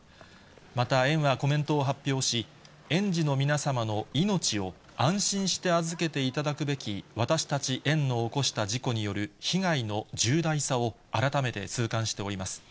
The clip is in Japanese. また園はコメントを発表し、園児の皆様の命を安心して預けていただくべき私たち園の起こした事故による被害の重大さを改めて痛感しております。